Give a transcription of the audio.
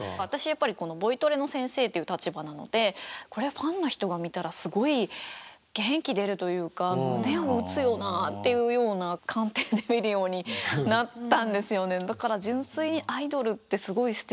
やっぱりボイトレの先生という立場なのでこれファンの人が見たらすごい元気出るというか胸を打つよなっていうような観点で見るようになったんですよね。